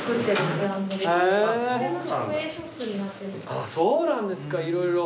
あっそうなんですか色々。